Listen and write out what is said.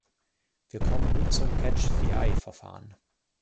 Wir kommen nun zum "Catch-the-Eye‟-Verfahren.